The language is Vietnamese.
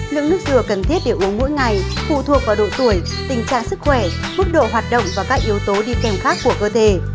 lượng nước dừa cần thiết để uống mỗi ngày phụ thuộc vào độ tuổi tình trạng sức khỏe mức độ hoạt động và các yếu tố đi kèm khác của cơ thể